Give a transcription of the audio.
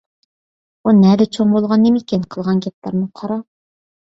ئۇ نەدە چوڭ بولغان نېمىكەن؟ قىلغان گەپلىرىنى قارا.